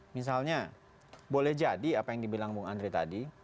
misalnya boleh jadi apa yang dibilang bung andri tadi